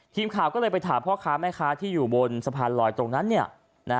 ทีมข่าวก็เลยไปถามพ่อค้าแม่ค้าที่อยู่บนสะพานลอยตรงนั้น